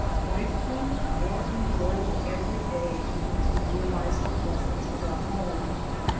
Life grew more enjoyable every day as we realized the blessings of our home.